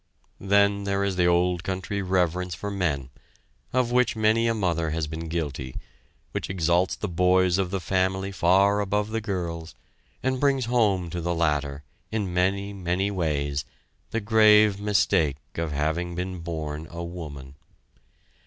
Then there is the old country reverence for men, of which many a mother has been guilty, which exalts the boys of the family far above the girls, and brings home to the latter, in many, many ways, the grave mistake of having been born a woman.